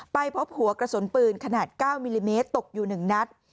ไปพบหัวกระสุนปืนขนาด๙มิลลิเมตรตกอยู่๑นัด